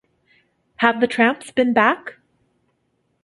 Have the tramps been back?